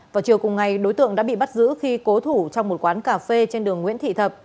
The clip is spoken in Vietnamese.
vào chiều cùng ngày đối tượng đã bị bắt giữ khi cố thủ trong một quán cà phê trên đường nguyễn thị thập